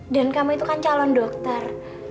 dan kamu itu kan calon dokter